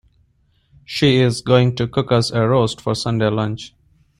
She is going to cook us a roast for Sunday lunch